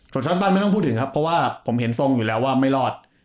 ส่วนสร้างบ้านไม่ต้องพูดถึงครับเพราะว่าผมเห็นทรงอยู่แล้วว่าไม่รอด